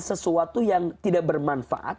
sesuatu yang tidak bermanfaat